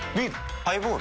ハイボール？